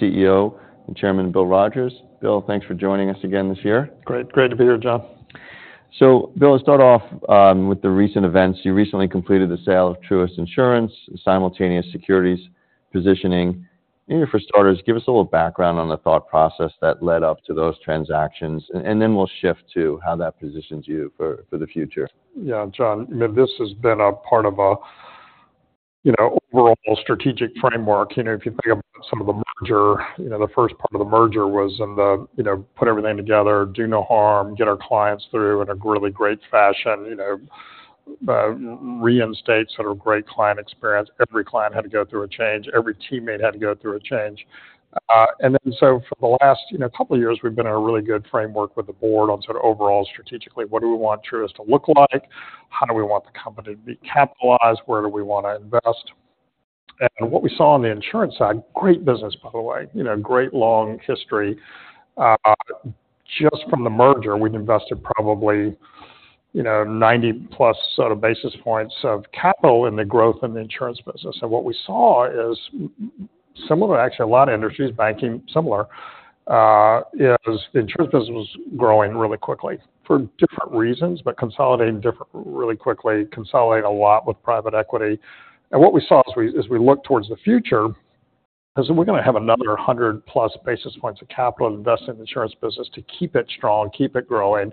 CEO and Chairman, Bill Rogers. Bill, thanks for joining us again this year. Great. Great to be here, John. So Bill, let's start off with the recent events. You recently completed the sale of Truist Insurance and simultaneous securities positioning. Maybe for starters, give us a little background on the thought process that led up to those transactions, and, and then we'll shift to how that positions you for, for the future. Yeah, John, I mean, this has been a part of a, you know, overall strategic framework. You know, if you think about some of the merger, you know, the first part of the merger was in the, you know, put everything together, do no harm, get our clients through in a really great fashion. You know, reinstates sort of great client experience. Every client had to go through a change, every teammate had to go through a change. And then so for the last, you know, couple of years, we've been in a really good framework with the board on sort of overall, strategically, what do we want Truist to look like? How do we want the company to be capitalized? Where do we wanna invest? And what we saw on the insurance side, great business, by the way, you know, great long history. Just from the merger, we've invested probably, you know, 90+ sort of basis points of capital in the growth of the insurance business. And what we saw is similar, actually, a lot of industries, banking, similar, is the insurance business was growing really quickly for different reasons, but consolidating really quickly, consolidating a lot with private equity. And what we saw as we look towards the future, is we're gonna have another 100+ basis points of capital invested in the insurance business to keep it strong, keep it growing.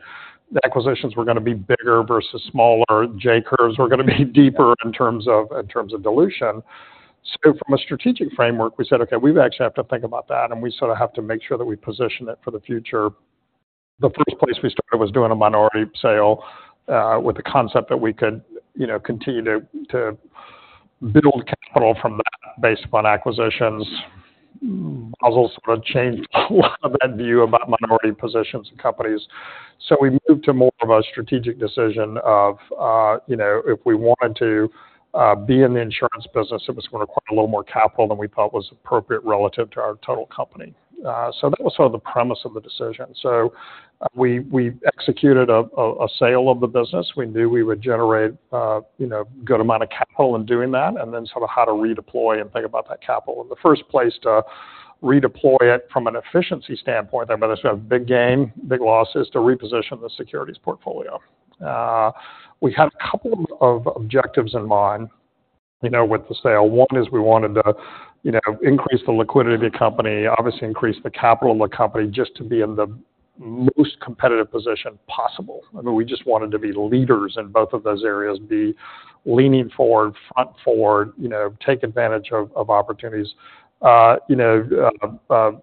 The acquisitions were gonna be bigger versus smaller. J-curves were gonna be deeper in terms of- in terms of dilution. So from a strategic framework, we said, "Okay, we actually have to think about that, and we sort of have to make sure that we position it for the future." The first place we started was doing a minority sale with the concept that we could, you know, continue to build capital from that based upon acquisitions. Basel sort of changed a lot of that view about minority positions in companies. So we moved to more of a strategic decision of, you know, if we wanted to be in the insurance business, it was gonna require a little more capital than we thought was appropriate relative to our total company. So that was sort of the premise of the decision. So we executed a sale of the business. We knew we would generate, you know, a good amount of capital in doing that, and then sort of how to redeploy and think about that capital. In the first place, to redeploy it from an efficiency standpoint, I mean, that's a big gain, big loss, is to reposition the securities portfolio. We had a couple of objectives in mind, you know, with the sale. One is we wanted to, you know, increase the liquidity of the company, obviously increase the capital of the company, just to be in the most competitive position possible. I mean, we just wanted to be leaders in both of those areas, be leaning forward, front forward, you know, take advantage of opportunities, you know,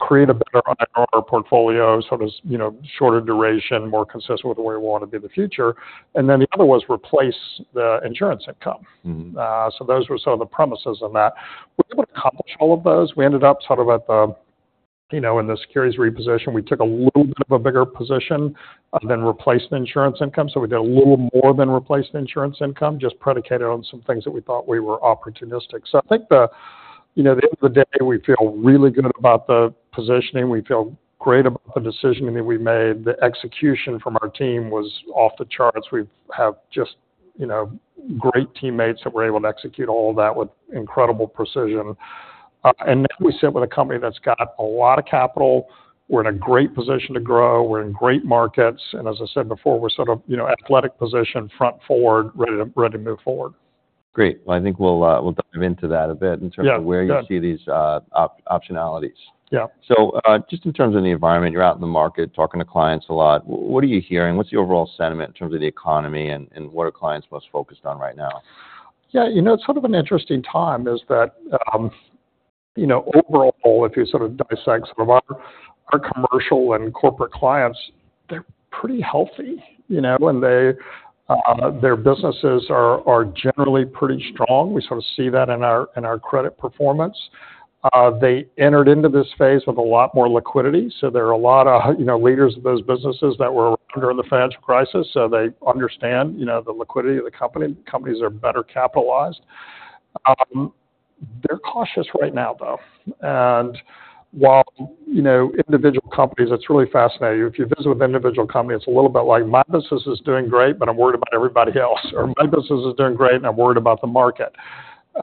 create a better investment portfolio, sort of, you know, shorter duration, more consistent with the way we wanna be in the future. And then the other was replace the insurance income. Mm-hmm. So those were some of the premises in that. We were able to accomplish all of those. We ended up sort of at the... You know, in the securities reposition, we took a little bit of a bigger position than replaced insurance income. So we did a little more than replaced insurance income, just predicated on some things that we thought we were opportunistic. So I think the, you know, at the end of the day, we feel really good about the positioning. We feel great about the decision that we made. The execution from our team was off the charts. We have just, you know, great teammates that were able to execute all that with incredible precision. And then we sit with a company that's got a lot of capital. We're in a great position to grow. We're in great markets, and as I said before, we're sort of, you know, athletic position, front forward, ready to move forward. Great. Well, I think we'll, we'll dive into that a bit. Yeah. In terms of where you see these optionalities. Yeah. So, just in terms of the environment, you're out in the market, talking to clients a lot. What are you hearing? What's the overall sentiment in terms of the economy, and, and what are clients most focused on right now? Yeah, you know, sort of an interesting time is that, you know, overall, if you sort of dissect some of our commercial and corporate clients, they're pretty healthy, you know, and their businesses are generally pretty strong. We sort of see that in our credit performance. They entered into this phase with a lot more liquidity, so there are a lot of, you know, leaders of those businesses that were around during the financial crisis, so they understand, you know, the liquidity of the company. Companies are better capitalized. They're cautious right now, though. While, you know, individual companies, such it's really fascinating. If you visit with an individual company, it's a little bit like: "My business is doing great, but I'm worried about everybody else," or, "My business is doing great, and I'm worried about the market."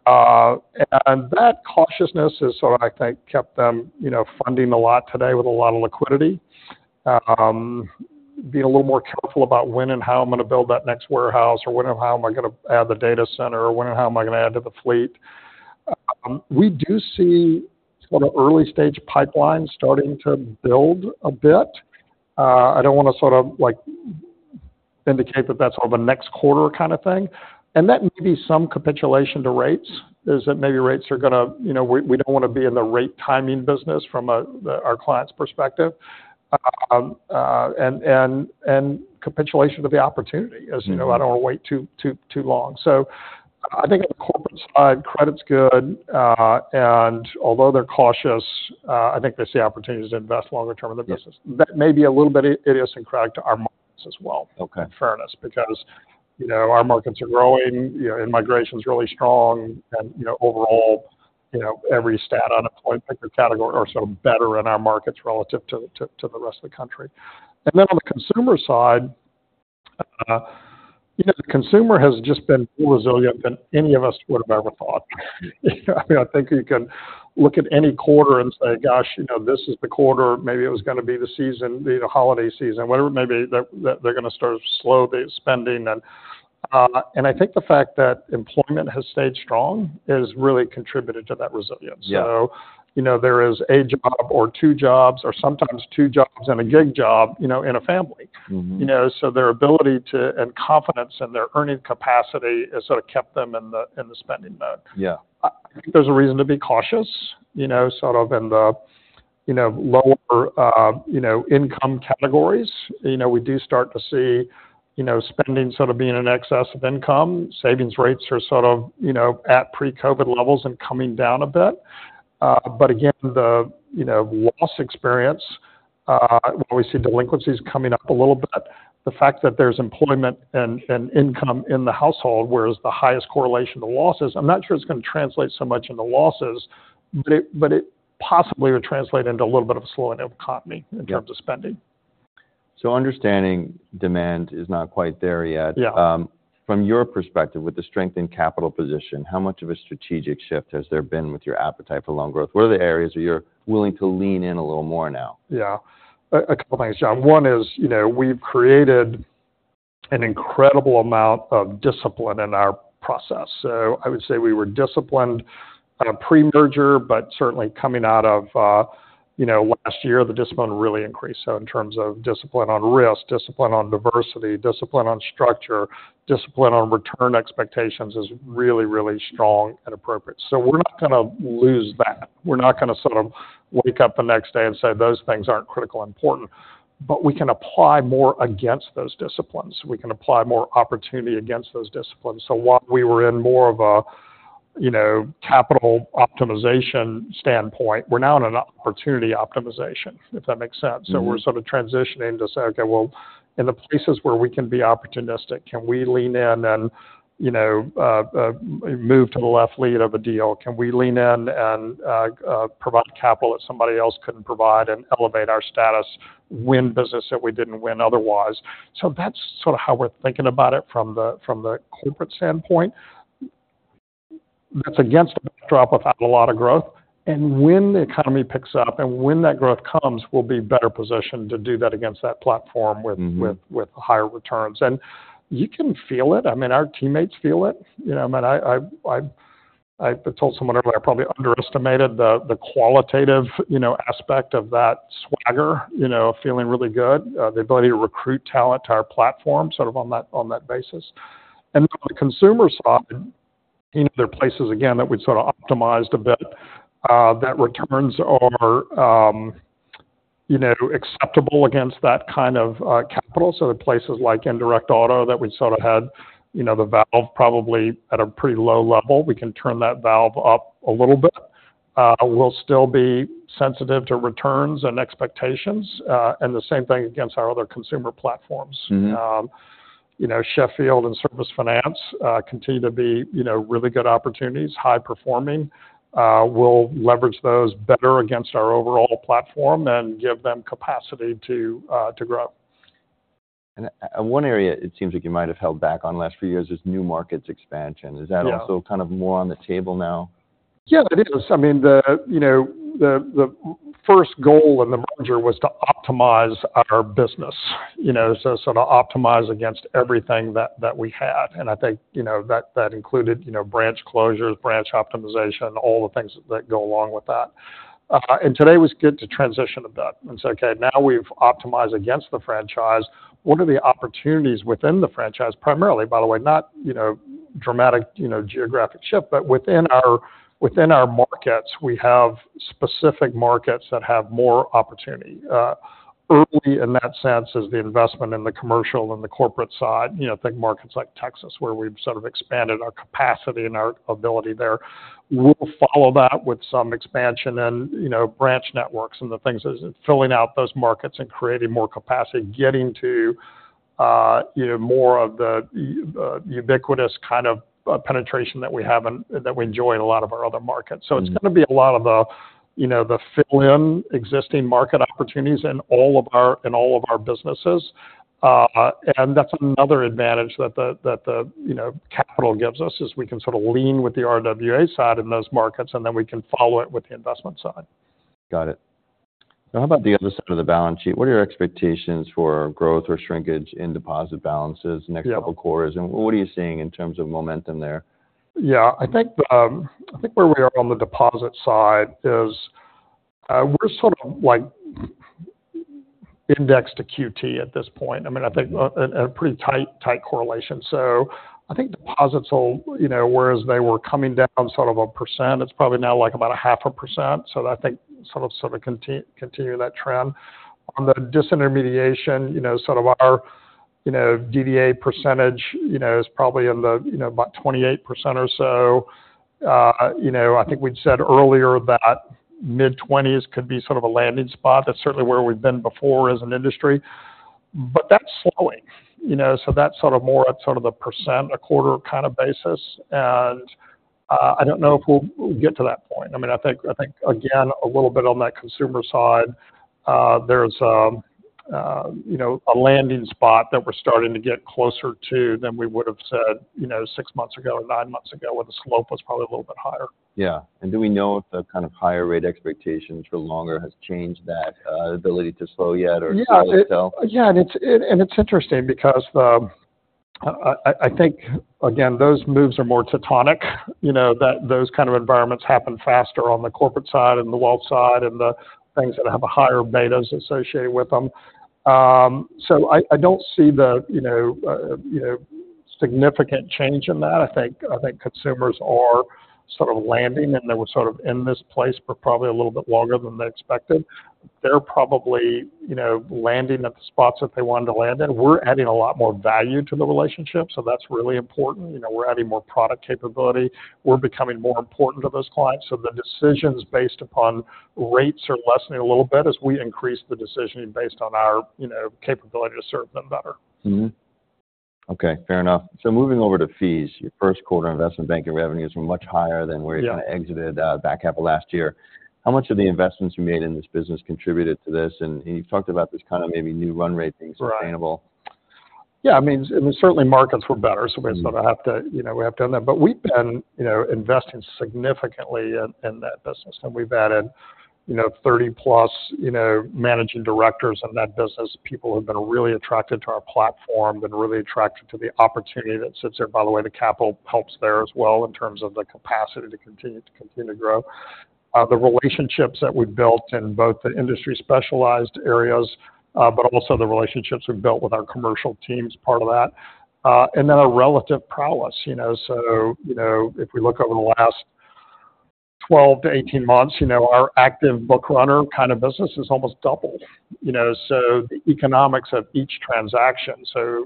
That cautiousness has sort of, I think, kept them, you know, funding a lot today with a lot of liquidity. Being a little more careful about when and how I'm gonna build that next warehouse, or when and how am I gonna add the data center, or when and how am I gonna add to the fleet? We do see sort of early-stage pipelines starting to build a bit. I don't wanna sort of, like, indicate that that's sort of a next quarter kind of thing, and that may be some capitulation to rates, is that maybe rates are gonna you know, we don't wanna be in the rate timing business from our client's perspective, and capitulation of the opportunity. Mm-hmm As you know, I don't wanna wait too, too, too long. So I think on the corporate side, credit's good, and although they're cautious, I think they see opportunities to invest longer term in the business. That may be a little bit idiosyncratic to our markets as well. Okay. In fairness, because, you know, our markets are growing, you know, and migration is really strong, and, you know, overall, you know, every stat on an employment category are sort of better in our markets relative to, to, to the rest of the country. And then on the consumer side... you know, the consumer has just been more resilient than any of us would have ever thought. You know, I mean, I think you can look at any quarter and say, gosh, you know, this is the quarter, maybe it was going to be the season, the, you know, holiday season, whatever it may be, that, that they're going to start to slow the spending. And, and I think the fact that employment has stayed strong has really contributed to that resilience. Yeah. You know, there is a job or two jobs, or sometimes two jobs and a gig job, you know, in a family. Mm-hmm. You know, so their ability and confidence in their earning capacity has sort of kept them in the spending mode. Yeah. There's a reason to be cautious, you know, sort of in the, you know, lower, you know, income categories. You know, we do start to see, you know, spending sort of being in excess of income. Savings rates are sort of, you know, at pre-COVID levels and coming down a bit. But again, the, you know, loss experience, where we see delinquencies coming up a little bit, the fact that there's employment and income in the household, whereas the highest correlation to losses, I'm not sure it's going to translate so much in the losses, but it possibly would translate into a little bit of a slowing of the economy. Yeah In terms of spending. So understanding demand is not quite there yet. Yeah. From your perspective, with the strength in capital position, how much of a strategic shift has there been with your appetite for loan growth? What are the areas where you're willing to lean in a little more now? Yeah. A couple things, John. One is, you know, we've created an incredible amount of discipline in our process. So I would say we were disciplined pre-merger, but certainly coming out of, you know, last year, the discipline really increased. So in terms of discipline on risk, discipline on diversity, discipline on structure, discipline on return expectations is really, really strong and appropriate. So we're not going to lose that. We're not going to sort of wake up the next day and say, those things aren't critically important. But we can apply more against those disciplines. We can apply more opportunity against those disciplines. So while we were in more of a, you know, capital optimization standpoint, we're now in an opportunity optimization, if that makes sense. Mm-hmm. So we're sort of transitioning to say, "Okay, well, in the places where we can be opportunistic, can we lean in and, you know, move to the left lead of a deal? Can we lean in and provide capital that somebody else couldn't provide and elevate our status, win business that we didn't win otherwise?" So that's sort of how we're thinking about it from the corporate standpoint. That's against a backdrop without a lot of growth. And when the economy picks up and when that growth comes, we'll be better positioned to do that against that platform. Mm-hmm With higher returns. And you can feel it. I mean, our teammates feel it. You know, I mean, I told someone earlier, I probably underestimated the qualitative, you know, aspect of that swagger, you know, feeling really good, the ability to recruit talent to our platform, sort of on that basis. And from the consumer side, you know, there are places, again, that we've sort of optimized a bit, that returns are, you know, acceptable against that kind of capital. So the places like Indirect Auto that we sort of had, you know, the valve probably at a pretty low level, we can turn that valve up a little bit. We'll still be sensitive to returns and expectations, and the same thing against our other consumer platforms. Mm-hmm. You know, Sheffield and Service Finance continue to be, you know, really good opportunities, high performing. We'll leverage those better against our overall platform and give them capacity to grow. One area it seems like you might have held back on the last few years is new markets expansion. Yeah. Is that also kind of more on the table now? Yeah, it is. I mean, you know, the first goal in the merger was to optimize our business, you know, so to optimize against everything that we had. And I think, you know, that included, you know, branch closures, branch optimization, all the things that go along with that. And today was good to transition with that and say, "Okay, now we've optimized against the franchise. What are the opportunities within the franchise?" Primarily, by the way, not, you know, dramatic, you know, geographic shift, but within our markets, we have specific markets that have more opportunity. Early in that sense is the investment in the commercial and the corporate side. You know, think markets like Texas, where we've sort of expanded our capacity and our ability there. We'll follow that with some expansion and, you know, branch networks and the things filling out those markets and creating more capacity, getting to, you know, more of the ubiquitous kind of penetration that we have and that we enjoy in a lot of our other markets. Mm-hmm. So it's going to be a lot of the, you know, the fill-in existing market opportunities in all of our businesses. And that's another advantage that the, that the, you know, capital gives us, is we can sort of lean with the RWA side in those markets, and then we can follow it with the investment side. Got it. So how about the other side of the balance sheet? What are your expectations for growth or shrinkage in deposit balances. Yeah. In the next couple of quarters? And what are you seeing in terms of momentum there? Yeah, I think, I think where we are on the deposit side is, we're sort of, like, indexed to QT at this point. I mean, I think, pretty tight, tight correlation. So I think deposits will... You know, whereas they were coming down sort of 1%, it's probably now, like, about 0.5%, so I think sort of continue that trend. On the disintermediation, you know, sort of our, you know, DDA percentage, you know, is probably in the, you know, about 28% or so. You know, I think we'd said earlier that mid-20s could be sort of a landing spot. That's certainly where we've been before as an industry. But that's slowing, you know, so that's sort of more at sort of 1% a quarter kind of basis. I don't know if we'll, we'll get to that point. I mean, I think, I think, again, a little bit on that consumer side, there's, you know, a landing spot that we're starting to get closer to than we would've said, you know, 6 months ago or 9 months ago, when the slope was probably a little bit higher. Yeah. And do we know if the kind of higher rate expectations for longer has changed that ability to slow yet or slow itself? Yeah, and it's interesting because I think, again, those moves are more tectonic. You know, that those kind of environments happen faster on the corporate side and the wealth side, and the things that have a higher betas associated with them. So I don't see, you know, significant change in that. I think consumers are sort of landing, and they were sort of in this place for probably a little bit longer than they expected. They're probably, you know, landing at the spots that they wanted to land in. We're adding a lot more value to the relationship, so that's really important. You know, we're adding more product capability. We're becoming more important to those clients, so the decisions based upon rates are lessening a little bit as we increase the decisioning based on our, you know, capability to serve them better. Mm-hmm. Okay, fair enough. So moving over to fees, your first quarter investment banking revenues were much higher than where. Yeah. You kind of exited, back half of last year. How much of the investments you made in this business contributed to this? And you talked about this kind of maybe new run rate being sustainable. Right. Yeah, I mean, certainly markets were better, so we sort of have to, you know, we have done that. But we've been, you know, investing significantly in that business. And we've added, you know, 30+, you know, managing directors in that business. People who have been really attracted to our platform, been really attracted to the opportunity that sits there. By the way, the capital helps there as well, in terms of the capacity to continue to grow. The relationships that we've built in both the industry specialized areas, but also the relationships we've built with our commercial team is part of that. And then our relative prowess, you know. So, you know, if we look over the last 12-18 months, you know, our Active Bookrunner kind of business is almost doubled, you know. So the economics of each transaction are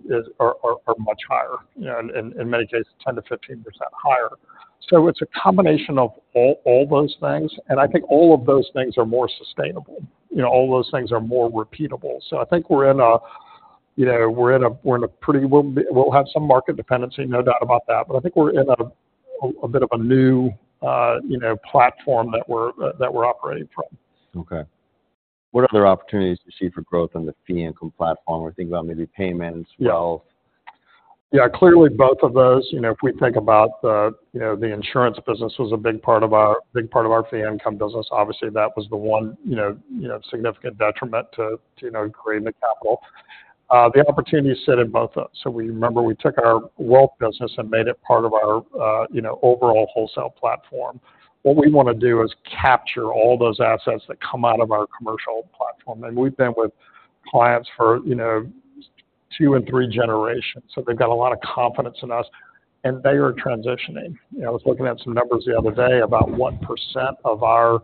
much higher, you know, in many cases, 10%-15% higher. So it's a combination of all those things, and I think all of those things are more sustainable. You know, all those things are more repeatable. So I think we'll have some market dependency, no doubt about that, but I think we're in a bit of a new, you know, platform that we're operating from. Okay. What other opportunities do you see for growth on the fee income platform? We're thinking about maybe payments, wealth. Yeah. Yeah, clearly, both of those. You know, if we think about the, you know, the insurance business was a big part of our, big part of our fee income business. Obviously, that was the one, you know, significant detriment to creating the capital. The opportunities sit in both of those. So we remember we took our wealth business and made it part of our, you know, overall wholesale platform. What we want to do is capture all those assets that come out of our commercial platform, and we've been with clients for, you know, two and three generations, so they've got a lot of confidence in us, and they are transitioning. You know, I was looking at some numbers the other day about what percent of our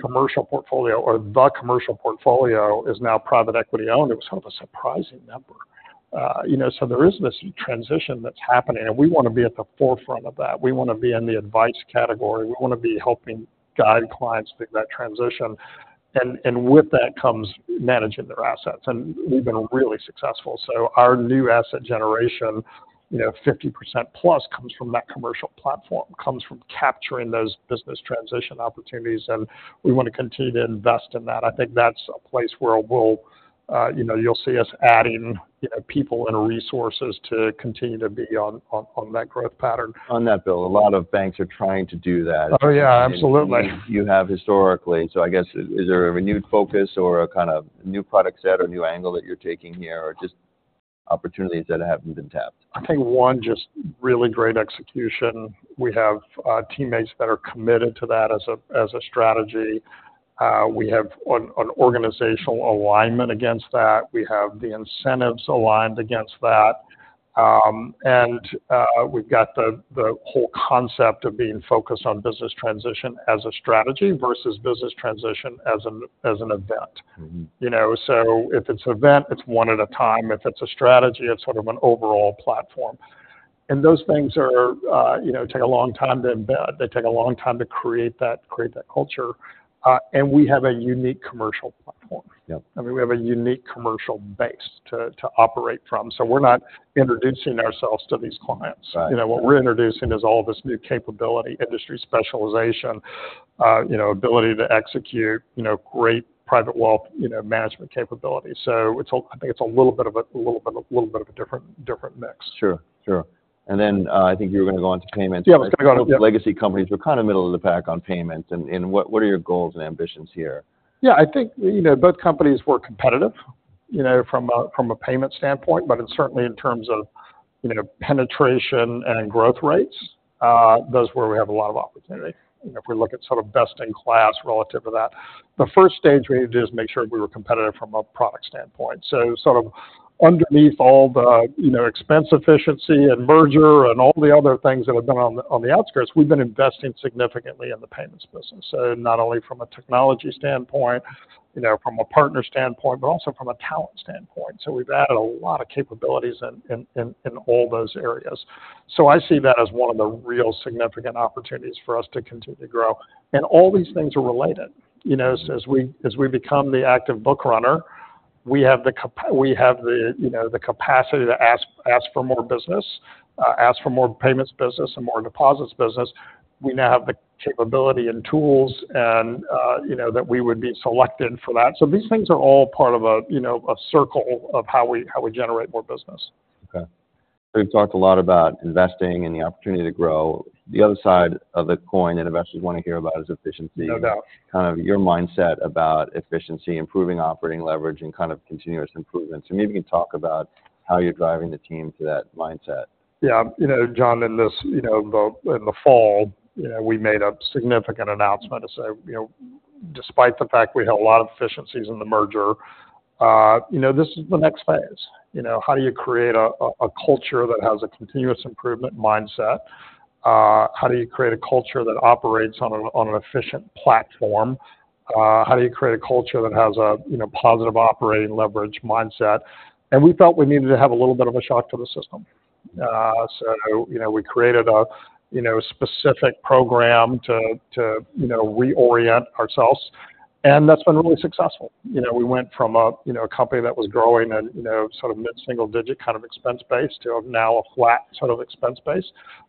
commercial portfolio or the commercial portfolio is now private equity-owned. It was sort of a surprising number. You know, so there is this transition that's happening, and we want to be at the forefront of that. We want to be in the advice category. We want to be helping guide clients make that transition. And with that comes managing their assets, and we've been really successful. So our new asset generation, you know, 50% plus, comes from that commercial platform, comes from capturing those business transition opportunities, and we want to continue to invest in that. I think that's a place where we'll, you know, you'll see us adding, you know, people and resources to continue to be on that growth pattern. On that bill, a lot of banks are trying to do that. Oh, yeah, absolutely. You have historically. So I guess, is there a renewed focus or a kind of new product set or new angle that you're taking here, or just opportunities that haven't been tapped? I think, one, just really great execution. We have teammates that are committed to that as a strategy. We have an organizational alignment against that. We have the incentives aligned against that. And we've got the whole concept of being focused on business transition as a strategy versus business transition as an event. Mm-hmm. You know, so if it's event, it's one at a time. If it's a strategy, it's sort of an overall platform. And those things are, you know, take a long time to embed. They take a long time to create that, create that culture. And we have a unique commercial platform. Yep. I mean, we have a unique commercial base to operate from, so we're not introducing ourselves to these clients. Right. You know, what we're introducing is all this new capability, industry specialization, you know, ability to execute, you know, great private wealth, you know, management capability. So it's all—I think it's a little bit of a different mix. Sure. Sure. And then, I think you were gonna go on to payments. Yeah, I was gonna go on, yeah. Legacy companies were kind of middle of the pack on payments. What are your goals and ambitions here? Yeah, I think, you know, both companies were competitive, you know, from a payment standpoint, but certainly in terms of, you know, penetration and growth rates, that's where we have a lot of opportunity, you know, if we look at sort of best-in-class relative to that. The first stage we need to do is make sure we were competitive from a product standpoint. So sort of underneath all the, you know, expense efficiency and merger and all the other things that have been on the outskirts, we've been investing significantly in the payments business. So not only from a technology standpoint, you know, from a partner standpoint, but also from a talent standpoint. So we've added a lot of capabilities in all those areas. So I see that as one of the real significant opportunities for us to continue to grow. All these things are related. You know, as we become the Active Bookrunner, we have the capacity to ask for more business, ask for more payments business and more deposits business. We now have the capability and tools and, you know, that we would be selected for that. So these things are all part of a, you know, a circle of how we generate more business. Okay. We've talked a lot about investing and the opportunity to grow. The other side of the coin that investors wanna hear about is efficiency. No doubt. Kind of your mindset about efficiency, improving operating leverage, and kind of continuous improvement. So maybe you can talk about how you're driving the team to that mindset. Yeah. You know, John, in this, you know, about in the fall, you know, we made a significant announcement to say, you know, despite the fact we had a lot of efficiencies in the merger, you know, this is the next phase. You know, how do you create a culture that has a continuous improvement mindset? How do you create a culture that operates on an efficient platform? How do you create a culture that has a, you know, positive operating leverage mindset? We felt we needed to have a little bit of a shock to the system. So, you know, we created a, you know, specific program to, to, you know, reorient ourselves, and that's been really successful. You know, we went from a, you know, a company that was growing at, you know, sort of mid-single digit kind of expense base to now a flat sort of expense base.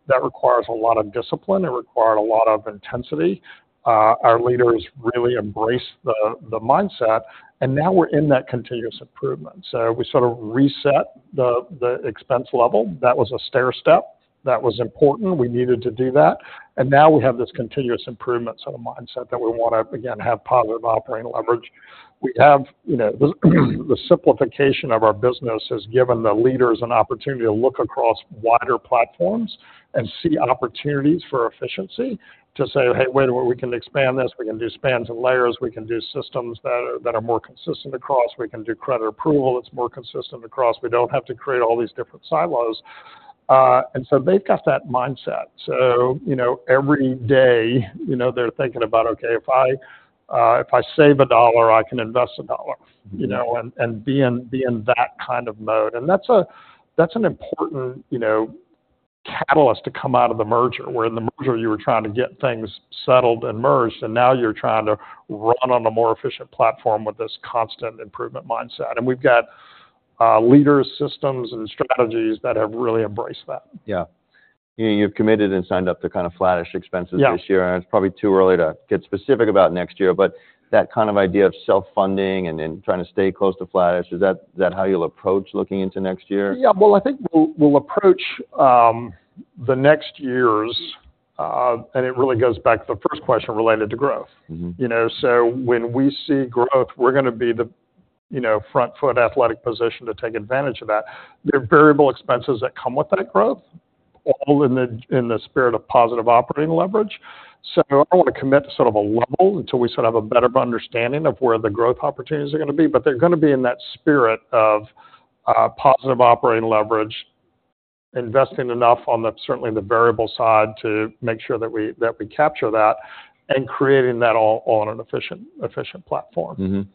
That requires a lot of discipline. It required a lot of intensity. Our leaders really embraced the, the mindset, and now we're in that continuous improvement. So we sort of reset the, the expense level. That was a stairstep. That was important. We needed to do that. And now we have this continuous improvement sort of mindset that we wanna, again, have positive operating leverage. We have... You know, the simplification of our business has given the leaders an opportunity to look across wider platforms and see opportunities for efficiency, to say, "Hey, wait, we can expand this. We can do spans and layers. We can do systems that are, that are more consistent across. We can do credit approval that's more consistent across. We don't have to create all these different silos. And so they've got that mindset. So, you know, every day, you know, they're thinking about, "Okay, if I save a dollar, I can invest a dollar," you know, and be in that kind of mode. And that's an important, you know, catalyst to come out of the merger, where in the merger, you were trying to get things settled and merged, and now you're trying to run on a more efficient platform with this constant improvement mindset. And we've got leaders, systems, and strategies that have really embraced that. Yeah. You know, you've committed and signed up to kind of flattish expenses. Yeah. This year, and it's probably too early to get specific about next year, but that kind of idea of self-funding and then trying to stay close to flattish, is that, that how you'll approach looking into next year? Yeah. Well, I think we'll approach the next years, and it really goes back to the first question related to growth. Mm-hmm. You know, so when we see growth, we're gonna be the, you know, front foot athletic position to take advantage of that. There are variable expenses that come with that growth, all in the, in the spirit of positive operating leverage. So I don't wanna commit to sort of a level until we sort of have a better understanding of where the growth opportunities are gonna be, but they're gonna be in that spirit of positive operating leverage, investing enough on the, certainly the variable side, to make sure that we, that we capture that, and creating that all on an efficient, efficient platform.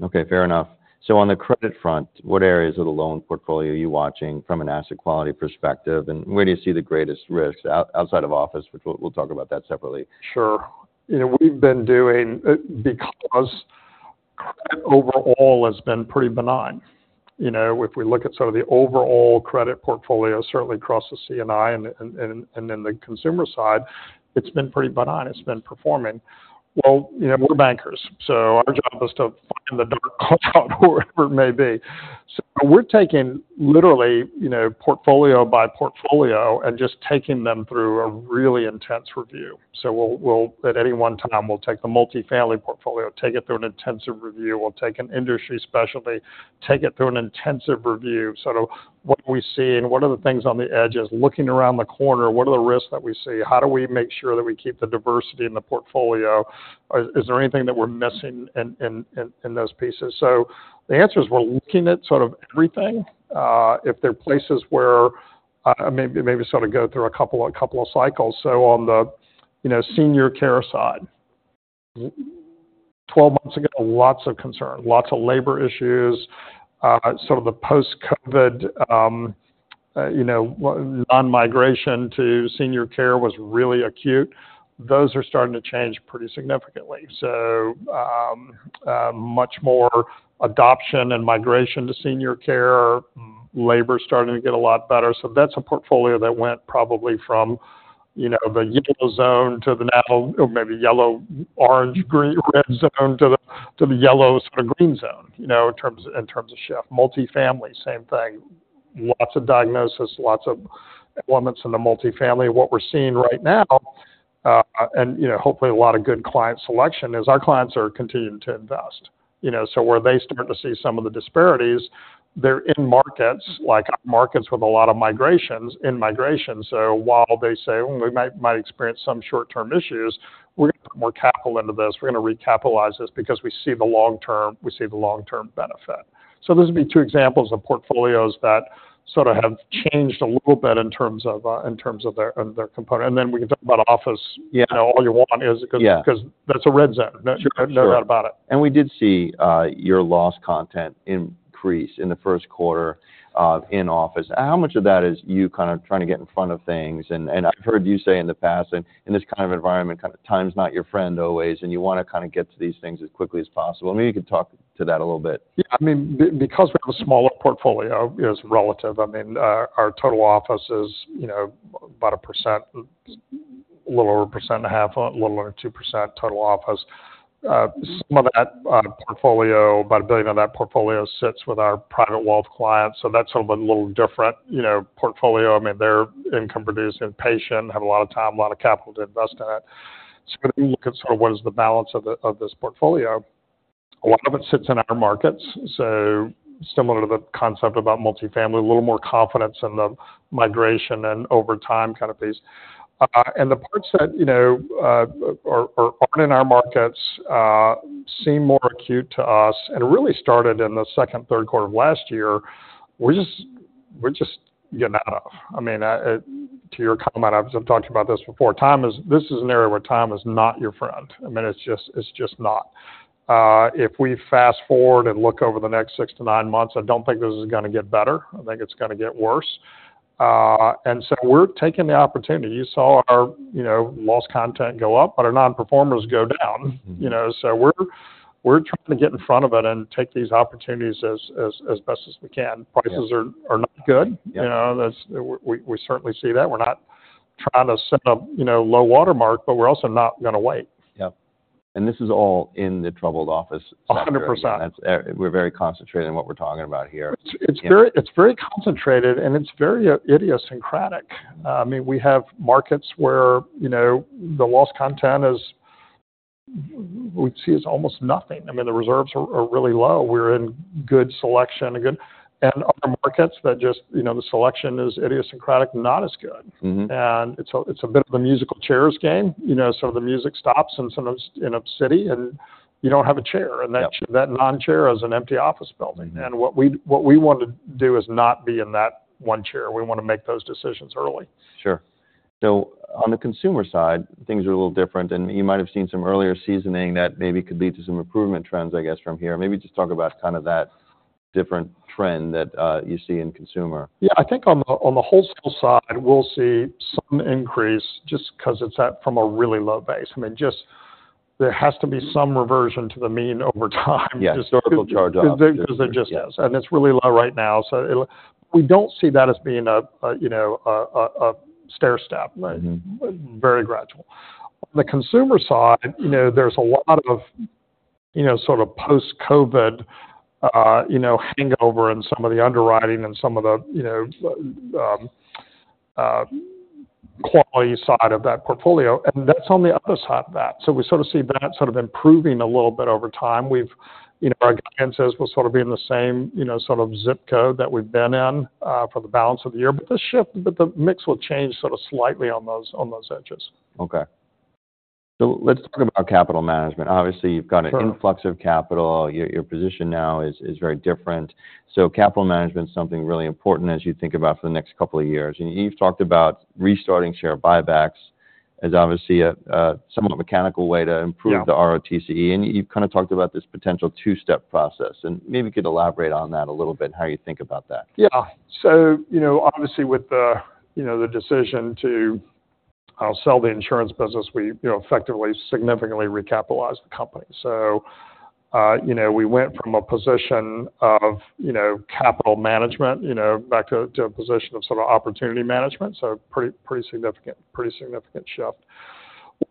Mm-hmm. Okay, fair enough. So on the credit front, what areas of the loan portfolio are you watching from an asset quality perspective, and where do you see the greatest risk, outside of office? Which we'll talk about that separately. Sure. You know, we've been doing. Because credit overall has been pretty benign. You know, if we look at sort of the overall credit portfolio, certainly across the C&I and then the consumer side, it's been pretty benign. It's been performing. Well, you know, we're bankers, so our job is to find the dark cloud wherever it may be. So we're taking literally, you know, portfolio by portfolio and just taking them through a really intense review. So we'll at any one time, we'll take the multifamily portfolio, take it through an intensive review. We'll take an industry specialty, take it through an intensive review. So what do we see and what are the things on the edges? Looking around the corner, what are the risks that we see? How do we make sure that we keep the diversity in the portfolio? Is there anything that we're missing in those pieces? So the answer is we're looking at sort of everything. If there are places where maybe sort of go through a couple of cycles. So on the, you know, senior care side, 12 months ago, lots of concern, lots of labor issues, sort of the post-COVID, you know, non-migration to senior care was really acute. Those are starting to change pretty significantly. So, much more adoption and migration to senior care. Labor is starting to get a lot better. So that's a portfolio that went probably from, you know, the yellow zone to the now maybe yellow, orange, green, red zone, to the yellow sort of green zone, you know, in terms of shift. Multifamily, same thing. Lots of diagnosis, lots of elements in the multifamily. What we're seeing right now, and, you know, hopefully, a lot of good client selection, is our clients are continuing to invest. You know, so where they start to see some of the disparities, they're in markets, like markets with a lot of migrations, in migration. So while they say, "Well, we might, might experience some short-term issues, we're gonna put more capital into this. We're gonna recapitalize this because we see the long term, we see the long-term benefit." So those would be two examples of portfolios that sort of have changed a little bit in terms of, in terms of their, of their component. And then we can talk about office. Yeah. All you want, is because Yeah. because that's a red zone. Sure. There's no doubt about it. And we did see your loss content increase in the first quarter in office. How much of that is you kind of trying to get in front of things? And I've heard you say in the past, and in this kind of environment, kind of time's not your friend always, and you wanna kind of get to these terms as quickly as possible. Maybe you could talk to that a little bit. Yeah, I mean, because we have a smaller portfolio, you know, it's relative. I mean, our total office is, you know, about 1%, a little over 1.5%, a little over 2% total office. Some of that portfolio, about $1 billion of that portfolio sits with our private wealth clients, so that's sort of a little different, you know, portfolio. I mean, their income-producing properties have a lot of time, a lot of capital to invest in it. So when you look at sort of what is the balance of this portfolio, a lot of it sits in our markets. So similar to the concept about multifamily, a little more confidence in the migration and over time kind of phase. And the parts that, you know, aren't in our markets seem more acute to us, and it really started in the second, third quarter of last year. We're just, you know, I mean, to your comment, I've talked about this before, time is, this is an area where time is not your friend. I mean, it's just, it's just not. If we fast forward and look over the next 6-9 months, I don't think this is gonna get better. I think it's gonna get worse. And so we're taking the opportunity. You saw our, you know, loss content go up, but our non-performers go down. Mm-hmm. You know, so we're trying to get in front of it and take these opportunities as best as we can. Yeah. Prices are not good. Yeah. You know, that's... We certainly see that. We're not trying to set a, you know, low watermark, but we're also not gonna wait. Yeah. And this is all in the troubled office. 100. That's, we're very concentrated on what we're talking about here. It's very concentrated, and it's very idiosyncratic. I mean, we have markets where, you know, the lost content is. We'd see it's almost nothing. I mean, the reserves are really low. We're in good selection and good... Other markets that just, you know, the selection is idiosyncratic, not as good. Mm-hmm. It's a bit of a musical chairs game, you know, so the music stops in a city, and you don't have a chair. Yeah. That non-chair is an empty office building. Mm-hmm. What we want to do is not be in that one chair. We wanna make those decisions early. Sure. So on the consumer side, things are a little different, and you might have seen some earlier seasoning that maybe could lead to some improvement trends, I guess, from here. Maybe just talk about kind of that different trend that, you see in consumer. Yeah, I think on the, on the wholesale side, we'll see some increase just 'cause it's at, from a really low base. I mean, just there has to be some reversion to the mean over time. Yeah, historical charge-off. 'Cause there just is, and it's really low right now. So it'll, we don't see that as being a, you know, stairstep. Mm-hmm. Very gradual. On the consumer side, you know, there's a lot of, you know, sort of post-COVID hangover in some of the underwriting and some of the, you know, quality side of that portfolio, and that's on the other side of that. So we sort of see that sort of improving a little bit over time. We've, you know, our chances will sort of be in the same, you know, sort of zip code that we've been in, for the balance of the year. But the mix will change sort of slightly on those, on those edges. Okay. So let's talk about capital management. Sure. Obviously, you've got an influx of capital. Your position now is very different. So capital management is something really important as you think about for the next couple of years. And you've talked about restarting share buybacks as obviously a somewhat mechanical way to improve. Yeah. The ROTCE. And you've kind of talked about this potential two-step process, and maybe you could elaborate on that a little bit, how you think about that? Yeah. So you know, obviously, with the, you know, the decision to sell the insurance business, we, you know, effectively, significantly recapitalized the company. So, you know, we went from a position of, you know, capital management, you know, back to, to a position of sort of opportunity management, so pretty, pretty significant, pretty significant shift.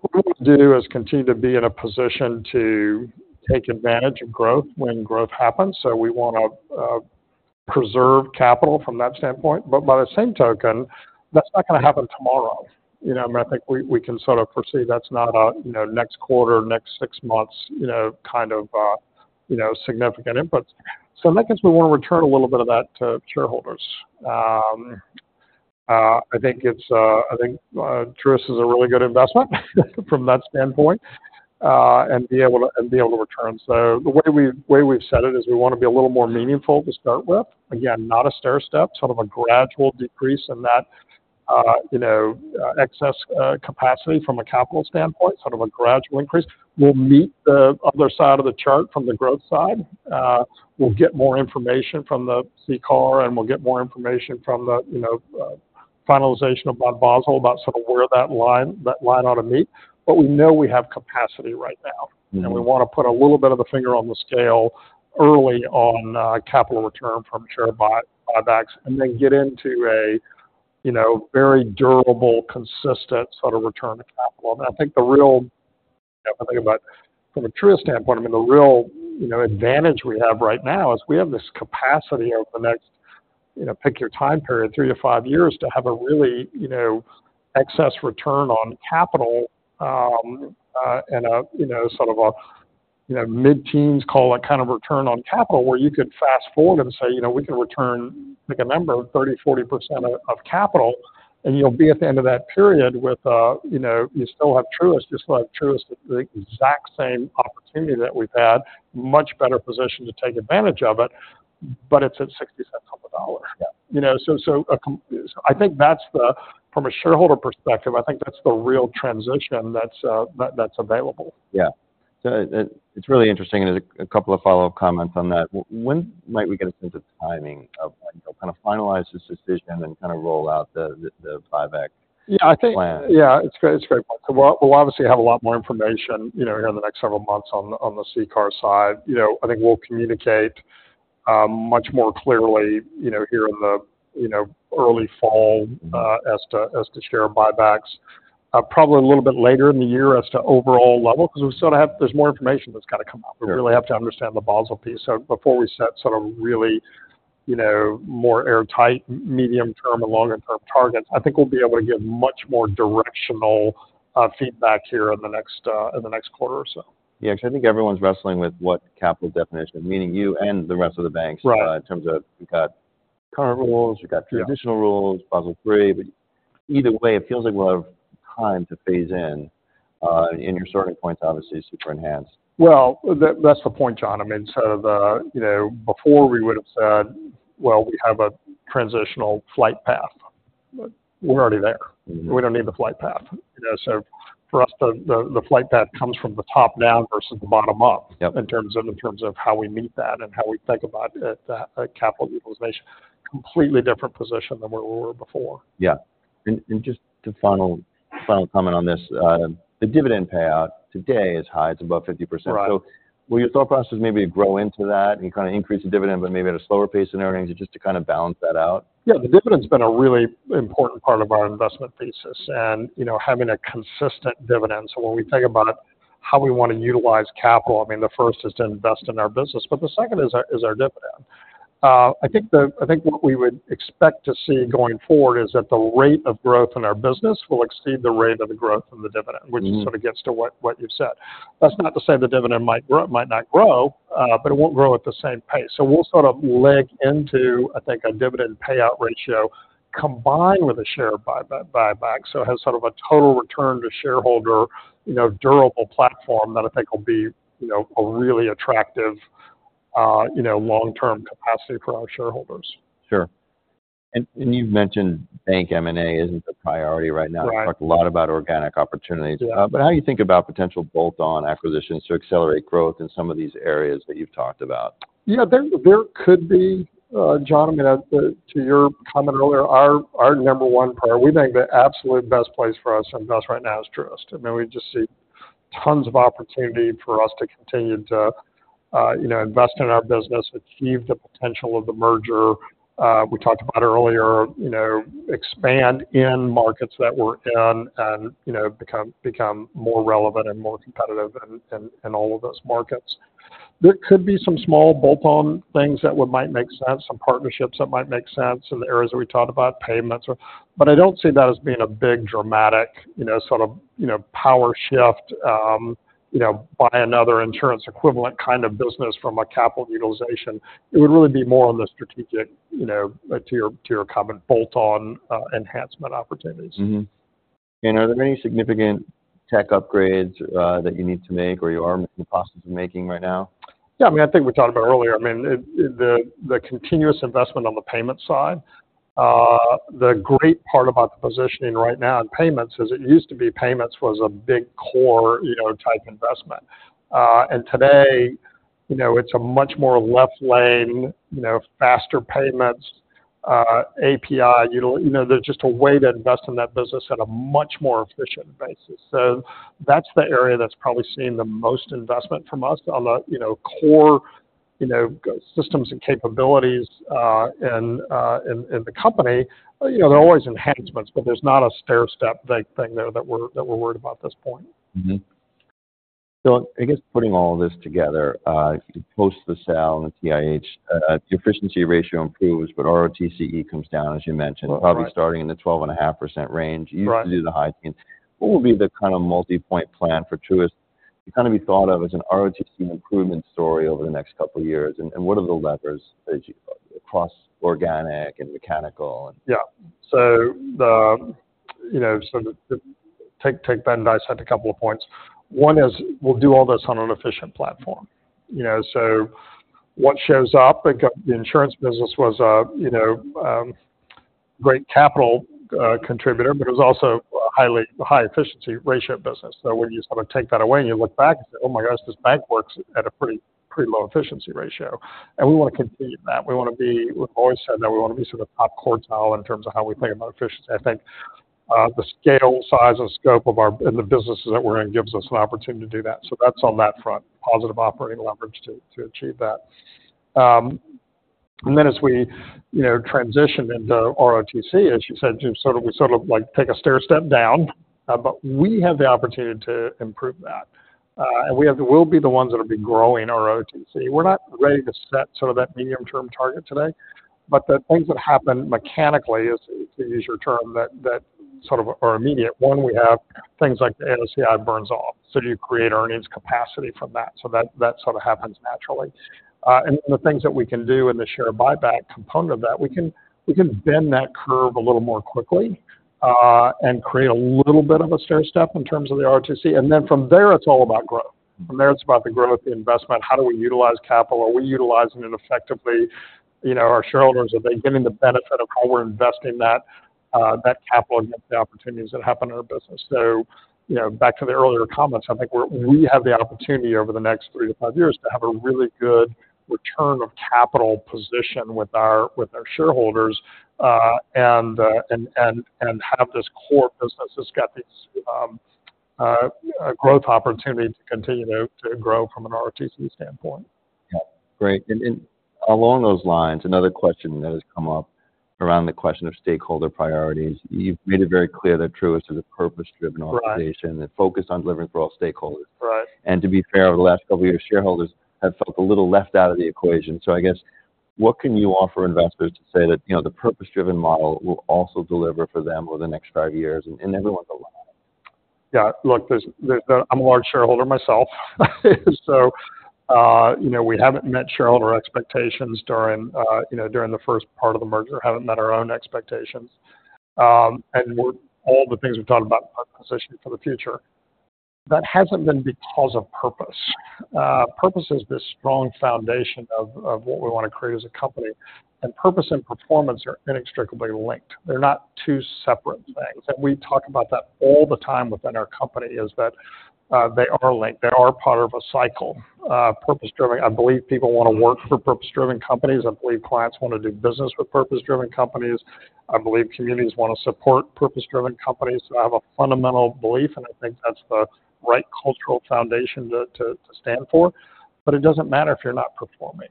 What we'll do is continue to be in a position to take advantage of growth when growth happens, so we wanna preserve capital from that standpoint. But by the same token, that's not gonna happen tomorrow. You know, I mean, I think we, we can sort of foresee that's not a, you know, next quarter, next six months, you know, kind of, you know, significant inputs. So in that case, we wanna return a little bit of that to shareholders. I think Truist is a really good investment, from that standpoint, and be able to return. So the way we've said it is we wanna be a little more meaningful to start with. Again, not a stairstep, sort of a gradual decrease in that excess capacity from a capital standpoint, sort of a gradual increase. We'll meet the other side of the chart from the growth side. We'll get more information from the CCAR, and we'll get more information from the finalization of Basel about sort of where that line ought to meet. But we know we have capacity right now. Mm-hmm. We wanna put a little bit of a finger on the scale early on, capital return from share buybacks, and then get into a, you know, very durable, consistent sort of return on capital. I think the real. I think about from a Truist standpoint, I mean, the real, you know, advantage we have right now is we have this capacity over the next, you know, pick your time period, 3-5 years, to have a really, you know, excess return on capital, and a, you know, sort of a, you know, mid-teens call it kind of return on capital, where you could fast forward and say, "You know, we can return, pick a number, 30%, 40% of, of capital," and you'll be at the end of that period with, you know, you still have Truist, you still have Truist at the exact same opportunity that we've had, much better position to take advantage of it, but it's at sixty cents on the dollar. Yeah. You know, from a shareholder perspective, I think that's the real transition that's available. Yeah. So, it's really interesting, and a couple of follow-up comments on that. When might we get a sense of timing of when you'll kind of finalize this decision and then kind of roll out the buyback. Yeah, I think. Plan. Yeah, it's great, it's great. So we'll, we'll obviously have a lot more information, you know, here in the next several months on the, on the CCAR side. You know, I think we'll communicate much more clearly, you know, here in the, you know, early fall. Mm-hmm. As to share buybacks. Probably a little bit later in the year as to overall level, 'cause we still have. There's more information that's got to come out. Sure. We really have to understand the Basel piece. So before we set sort of really, you know, more airtight medium-term and longer-term targets, I think we'll be able to give much more directional feedback here in the next quarter or so. Yeah, 'cause I think everyone's wrestling with what capital definition, meaning you and the rest of the banks. Right. In terms of you've got current rules, you've got. Yeah. Traditional rules, Basel III. But either way, it feels like we'll have time to phase in, and your starting point's obviously super enhanced. Well, that, that's the point, John. I mean, so the, you know, before we would've said, "Well, we have a transitional flight path," but we're already there. Mm-hmm. We don't need the flight path, you know. So for us, the flight path comes from the top down versus the bottom up. Yep. In terms of, in terms of how we meet that and how we think about, capital utilization. Completely different position than where we were before. Yeah. And just the final comment on this. The dividend payout today is high, it's above 50%. Right. Will your thought process maybe grow into that, and you kind of increase the dividend, but maybe at a slower pace than earnings, just to kind of balance that out? Yeah, the dividend's been a really important part of our investment thesis and, you know, having a consistent dividend. So when we think about how we wanna utilize capital, I mean, the first is to invest in our business, but the second is our dividend. I think what we would expect to see going forward is that the rate of growth in our business will exceed the rate of the growth of the dividend. Mm-hmm. Which sort of gets to what, what you've said. That's not to say the dividend might grow, might not grow, but it won't grow at the same pace. So we'll sort of leg into, I think, a dividend payout ratio, combined with a share buyback, buyback. So it has sort of a total return to shareholder, you know, durable platform that I think will be, you know, a really attractive, long-term capacity for our shareholders. Sure. And you've mentioned bank M&A isn't the priority right now. Right. You've talked a lot about organic opportunities. Yeah. But how do you think about potential bolt-on acquisitions to accelerate growth in some of these areas that you've talked about? Yeah, there could be, John, I mean, to your comment earlier, our number one priority—we think the absolute best place for us and best right now is Truist. I mean, we just see tons of opportunity for us to continue to, you know, invest in our business, achieve the potential of the merger. We talked about earlier, you know, expand in markets that we're in and, you know, become more relevant and more competitive in all of those markets. There could be some small bolt-on things that would might make sense, some partnerships that might make sense in the areas that we talked about, payments. But I don't see that as being a big, dramatic, you know, sort of, you know, power shift, you know, buy another insurance equivalent kind of business from a capital utilization. It would really be more on the strategic, you know, to your, to your comment, bolt-on enhancement opportunities. Mm-hmm. And are there any significant tech upgrades that you need to make or you are in the process of making right now? Yeah, I mean, I think we talked about earlier, I mean, the continuous investment on the payment side. The great part about the positioning right now in payments is, it used to be payments was a big core, you know, type investment. And today, you know, it's a much more left lane, you know, faster payments, API. You know, there's just a way to invest in that business at a much more efficient basis. So that's the area that's probably seeing the most investment from us on the, you know, core, you know, systems and capabilities in the company. You know, there are always enhancements, but there's not a stairstep big thing there that we're worried about at this point. Mm-hmm. I guess putting all this together, if you post the sale an the TIH, the efficiency ratio improves, but ROTCE comes down, as you mentioned. Right. Probably starting in the 12.5% range. Right. You used to do the high teens. What will be the kind of multi-point plan for Truist to kind of be thought of as an ROTCE improvement story over the next couple of years? And, and what are the levers that you-- across organic and mechanical and. Yeah. So the, you know, so the, the—take, take as i said a couple of points. One is, we'll do all this on an efficient platform. You know, so what shows up, I got the insurance business was a, you know, great capital, contributor, but it was also a highly, high efficiency ratio business. So when you sort of take that away and you look back and say, "Oh my gosh, this bank works at a pretty, pretty low efficiency ratio." And we want to continue that. We wanna be—we've always said that we wanna be sort of top quartile in terms of how we think about efficiency. I think, the scale, size, and scope of our—in the businesses that we're in, gives us an opportunity to do that. So that's on that front, positive operating leverage to achieve that. And then as we, you know, transition into ROTCE, as you said, to sort of, we sort of like take a stairstep down, but we have the opportunity to improve that. And we'll be the ones that will be growing our ROTCE. We're not ready to set sort of that medium-term target today, but the things that happen mechanically is, to use your term, that sort of are immediate. One, we have things like the AOCI burns off, so you create earnings capacity from that, so that sort of happens naturally. And the things that we can do in the share buyback component of that, we can bend that curve a little more quickly, and create a little bit of a stairstep in terms of the ROTCE. And then from there, it's all about growth. From there, it's about the growth, the investment. How do we utilize capital? Are we utilizing it effectively? You know, our shareholders, are they getting the benefit of how we're investing that capital against the opportunities that happen in our business? So, you know, back to the earlier comments, I think we're—we have the opportunity over the next 3-5 years to have a really good return of capital position with our shareholders, and have this core business that's got these growth opportunities to continue to grow from an ROTCE standpoint. Yeah, great. And along those lines, another question that has come up around the question of stakeholder priorities. You've made it very clear that Truist is a purpose-driven organization. Right. That focused on delivering for all stakeholders. Right. To be fair, over the last couple of years, shareholders have felt a little left out of the equation. So I guess, what can you offer investors to say that, you know, the purpose-driven model will also deliver for them over the next five years, and, and everyone's aligned? Yeah, look, there's-- I'm a large shareholder myself. So, you know, we haven't met shareholder expectations during, you know, during the first part of the merger, haven't met our own expectations. And all the things we've talked about are positioned for the future. That hasn't been because of purpose. Purpose is this strong foundation of, of what we want to create as a company, and purpose and performance are inextricably linked. They're not two separate things. And we talk about that all the time within our company, is that, they are linked, they are part of a cycle. Purpose-driven, I believe people want to work for purpose-driven companies. I believe clients want to do business with purpose-driven companies. I believe communities want to support purpose-driven companies. I have a fundamental belief, and I think that's the right cultural foundation to stand for. But it doesn't matter if you're not performing.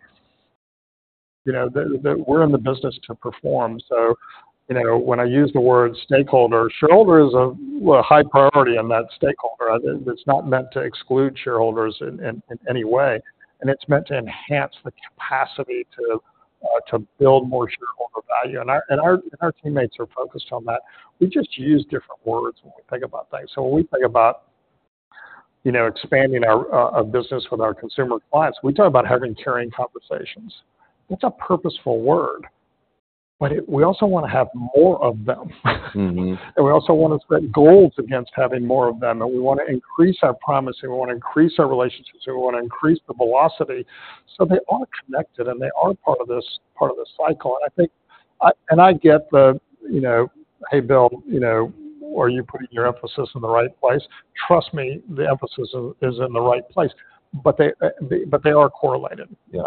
You know, we're in the business to perform. So, you know, when I use the word stakeholder, shareholder is, well, a high priority in that stakeholder. It's not meant to exclude shareholders in any way, and it's meant to enhance the capacity to build more shareholder value. And our teammates are focused on that. We just use different words when we think about things. So when we think about, you know, expanding our a business with our consumer clients, we talk about having caring conversations. That's a purposeful word, but it. We also want to have more of them. Mm-hmm. And we also want to set goals against having more of them, and we want to increase our promise, and we want to increase our relationships, and we want to increase the velocity. So they are connected, and they are part of this, part of this cycle. And I think, and I get the, you know, "Hey, Bill, you know, are you putting your emphasis in the right place?" Trust me, the emphasis is, is in the right place, but they, they- but they are correlated. Yeah.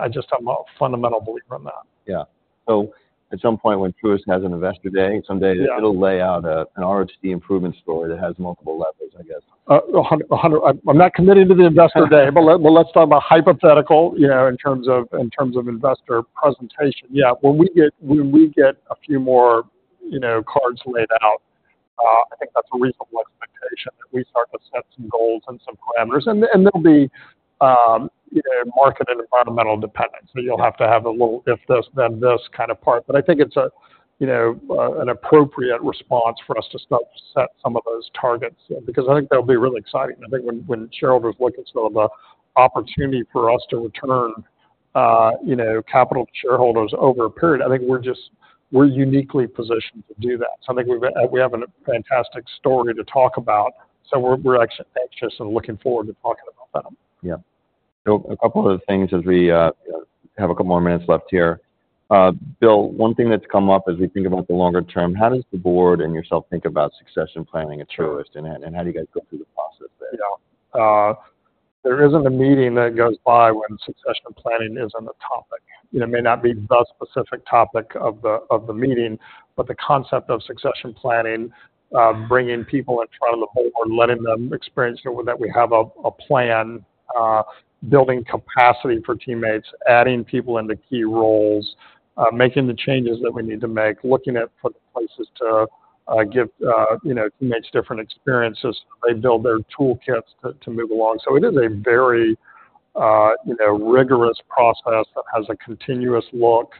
I just have a fundamental belief in that. Yeah. So at some point, when Truist has an investor day, someday. Yeah. It'll lay out an ROTCE improvement story that has multiple levers, I guess. I'm not committing to the investor day, but let's talk about hypotheticals, you know, in terms of investor presentation. Yeah, when we get a few more, you know, cards laid out, I think that's a reasonable expectation, that we start to set some goals and some parameters. And there'll be, you know, market and environmental dependence. Yeah. So you'll have to have a little, "if this, then this" kind of part. But I think it's a, you know, an appropriate response for us to start to set some of those targets, because I think that'll be really exciting. I think when shareholders look and say, well, the opportunity for us to return, you know, capital to shareholders over a period, I think we're just, we're uniquely positioned to do that. So I think we have a fantastic story to talk about, so we're actually anxious and looking forward to talking about that. Yeah. So a couple other things as we have a couple more minutes left here. Bill, one thing that's come up as we think about the longer term, how does the board and yourself think about succession planning at Truist? Sure. How do you guys go through the process there? Yeah, there isn't a meeting that goes by when succession planning isn't a topic. It may not be the specific topic of the meeting, but the concept of succession planning, bringing people in front of the board, letting them experience that we have a plan, building capacity for teammates, adding people into key roles, making the changes that we need to make, looking at places to give, you know, teammates different experiences, they build their toolkits to move along. So it is a very, you know, rigorous process that has a continuous look.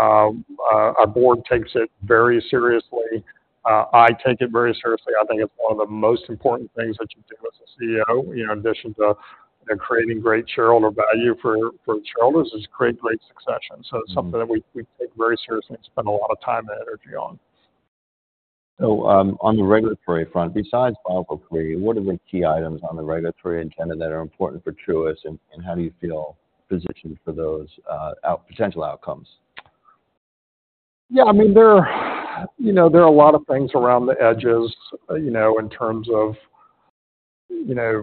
Our board takes it very seriously. I take it very seriously. I think it's one of the most important things that you do as a CEO, you know, in addition to creating great shareholder value for the shareholders, is create great succession. Mm-hmm. It's something that we take very seriously and spend a lot of time and energy on. So, on the regulatory front, besides Basel III, what are the key items on the regulatory agenda that are important for Truist, and how do you feel positioned for those, potential outcomes? Yeah, I mean, there are, you know, there are a lot of things around the edges, you know, in terms of, you know,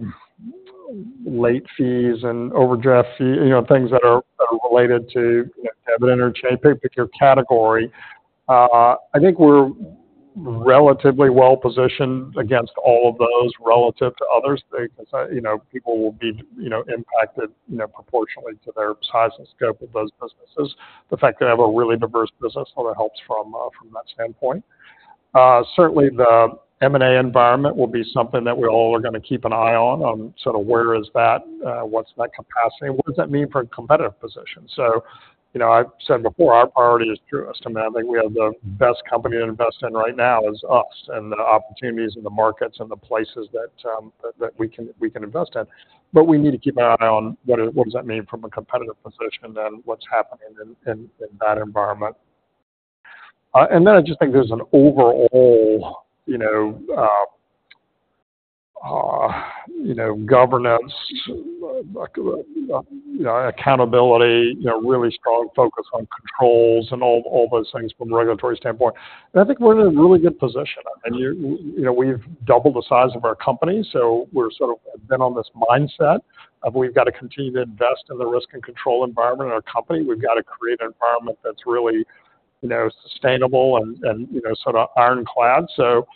late fees and overdraft fee, you know, things that are, that are related to, you know, debit interchange, pick your category. I think we're relatively well-positioned against all of those relative to others. They can say, you know, people will be, you know, impacted, you know, proportionately to their size and scope of those businesses. The fact that I have a really diverse business, so that helps from, from that standpoint. Certainly, the M&A environment will be something that we all are going to keep an eye on, on sort of where is that, what's that capacity, and what does that mean for a competitive position? So you know, I've said before, our priority is Truist, and I think we have the best company to invest in right now is us, and the opportunities in the markets and the places that we can invest in. But we need to keep an eye on what that means from a competitive position and what's happening in that environment? And then I just think there's an overall, you know, governance, like, you know, accountability, you know, really strong focus on controls and all those things from a regulatory standpoint. And I think we're in a really good position. You know, we've doubled the size of our company, so we're sort of been on this mindset of we've got to continue to invest in the risk and control environment in our company. We've got to create an environment that's really, you know, sustainable and, you know, sort of ironclad. So,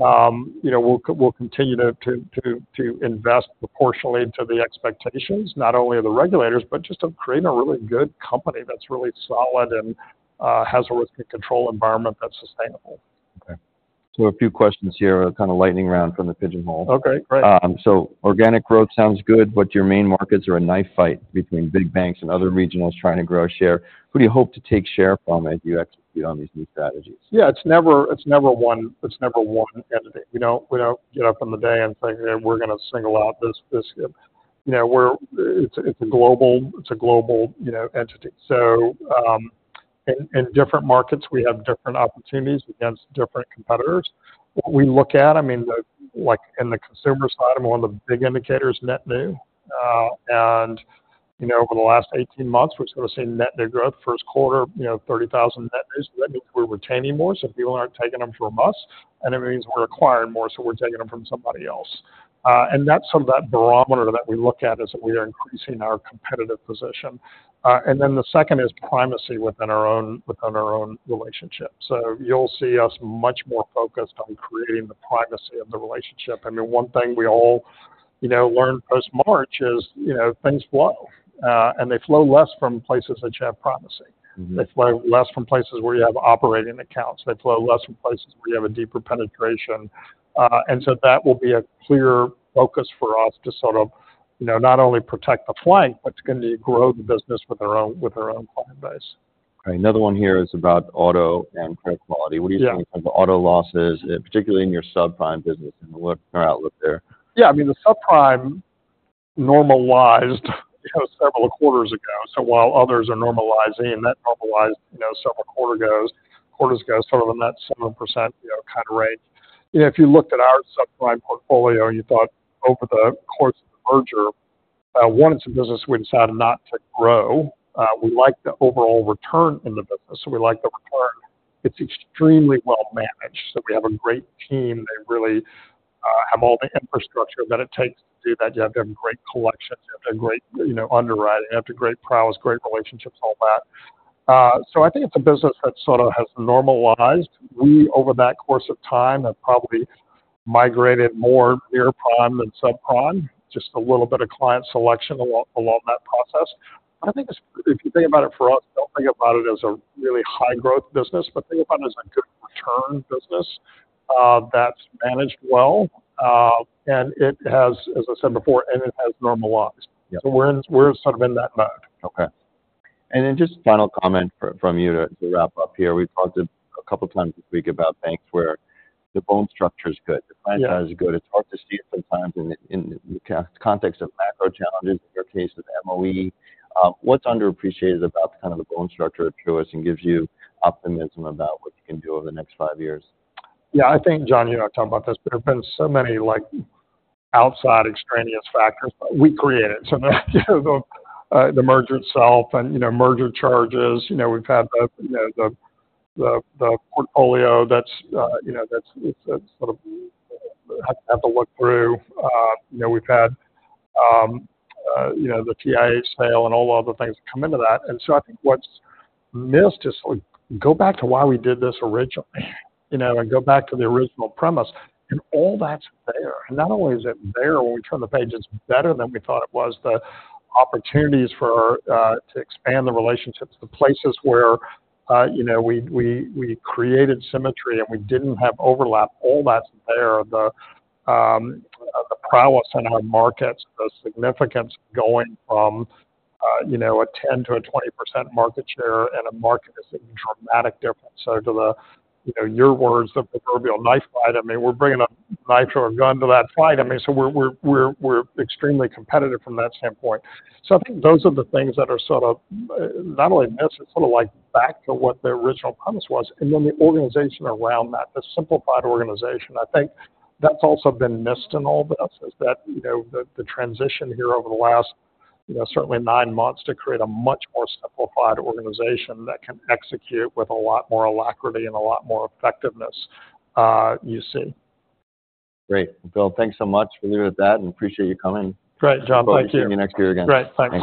you know, we'll continue to invest proportionally to the expectations, not only of the regulators, but just to create a really good company that's really solid and has a risk and control environment that's sustainable. Okay. So a few questions here, kind of lightning round from the Pigeonhole. Okay, great. Organic growth sounds good, but your main markets are a knife fight between big banks and other regionals trying to grow share. Who do you hope to take share from as you execute on these new strategies? Yeah, it's never one entity. We don't get up in the day and think that we're gonna single out this. You know, we're a global entity. So, in different markets, we have different opportunities against different competitors. What we look at, I mean, like in the consumer side, one of the big indicators is net new. And, you know, over the last 18 months, we've sort of seen net new growth. First quarter, you know, 30,000 net new. That means we're retaining more, so people aren't taking them from us, and it means we're acquiring more, so we're taking them from somebody else. And that's sort of the barometer that we look at as we are increasing our competitive position. And then the second is primacy within our own, within our own relationship. So you'll see us much more focused on creating the primacy of the relationship. I mean, one thing we all, you know, learned post-March is, you know, things flow, and they flow less from places that you have primacy. Mm-hmm. They flow less from places where you have operating accounts. They flow less from places where you have a deeper penetration. And so that will be a clear focus for us to sort of, you know, not only protect the flank, but to continue to grow the business with our own, with our own client base. Great. Another one here is about auto and credit quality. Yeah. What do you think of the auto losses, particularly in your subprime business, and what's your outlook there? Yeah, I mean, the subprime normalized, you know, several quarters ago. So while others are normalizing, that normalized, you know, several quarters ago, sort of in that 7%, you know, kind of range. You know, if you looked at our subprime portfolio, you thought over the course of the merger, one, it's a business we decided not to grow. We like the overall return in the business, so we like the return. It's extremely well managed, so we have a great team. They really have all the infrastructure that it takes to do that. You have to have great collections, you have to have great, you know, underwriting, you have to great prowess, you have to great relationships, all that. So I think it's a business that sort of has normalized. We, over that course of time, have probably migrated more near prime than subprime, just a little bit of client selection along that process. I think it's, if you think about it, for us, don't think about it as a really high-growth business, but think about it as a good return business, that's managed well. And it has, as I said before, and it has normalized. Yeah. So we're sort of in that mode. Okay. And then just a final comment from you to wrap up here. We've talked a couple of times this week about banks where the bone structure is good- Yeah. The client size is good. It's hard to see sometimes in the context of macro challenges, in your case, with MOE. What's underappreciated about the kind of bone structure of Truist and gives you optimism about what you can do over the next five years? Yeah, I think, John, you and I talked about this, but there have been so many, like, outside extraneous factors, but we created some of them. You know, the merger itself and, you know, merger charges. You know, we've had the portfolio that's, you know, that's sort of had to look through. You know, we've had the TIH sale and all the other things come into that. And so I think what's missed is like, go back to why we did this originally, you know, and go back to the original premise, and all that's there. And not only is it there, when we turn the page, it's better than we thought it was. The opportunities for to expand the relationships, the places where, you know, we created symmetry and we didn't have overlap, all that's there. The prowess in our markets, the significance going from, you know, a 10%-20% market share, and a market is a dramatic difference. So to the, you know, your words, the proverbial knife fight, I mean, we're bringing a knife or a gun to that fight. I mean, so we're extremely competitive from that standpoint. So I think those are the things that are sort of, not only missed, it's sort of like back to what the original promise was, and then the organization around that, the simplified organization. I think that's also been missed in all this, is that, you know, the transition here over the last, you know, certainly nine months, to create a much more simplified organization that can execute with a lot more alacrity and a lot more effectiveness, you see. Great. Well, thanks so much for being with that, and appreciate you coming. Great, John. Thank you. See you next year again. Great. Thanks.